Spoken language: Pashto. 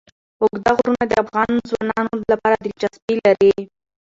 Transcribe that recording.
اوږده غرونه د افغان ځوانانو لپاره دلچسپي لري.